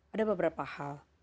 ada beberapa hal